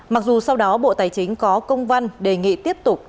mặc dù sau đó bộ tài chính có công văn đề nghị tiếp tục giải quyết